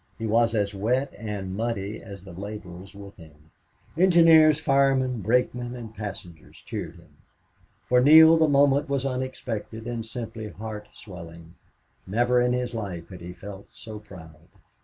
He was as wet and muddy as the laborers with him. Engineer, fireman, brakemen, and passengers cheered him. For Neale the moment was unexpected and simply heart swelling. Never in his life had he felt so proud.